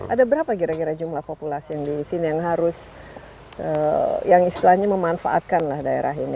ada berapa gara gara jumlah populasi yang disini yang harus yang istilahnya memanfaatkan lah daerah ini